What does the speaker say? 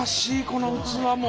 この器も。